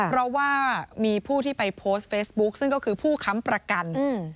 เพราะว่ามีผู้ที่ไปโพสต์เฟซบุ๊คซึ่งก็คือผู้ค้ำประกัน